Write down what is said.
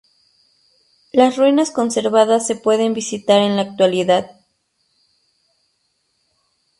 Las ruinas conservadas se pueden visitar en la actualidad.